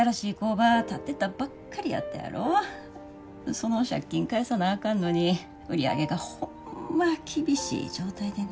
その借金返さなあかんのに売り上げがホンマ厳しい状態でな。